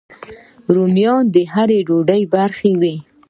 رومیان د هر ډوډۍ برخه وي